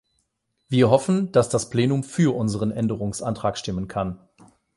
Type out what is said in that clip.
Wir hoffen, dass das Plenum für unseren Änderungsantrag stimmen kann.